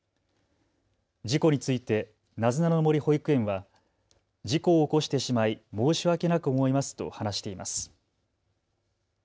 事故についてなずなの森保育園は事故を起こしてしまい申し訳なく思いますと話しています。